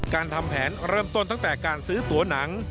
การทำแผนเริ่มต้นตั้งแต่การซื้อตัวหนัง